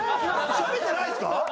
しゃべってないですか？